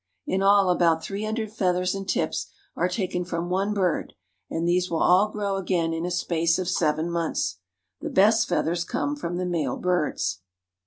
In all about three hundred feathers and tips are taken from one bird, and these will all grow again in a space of seven months. . The best feathers come from the male birds.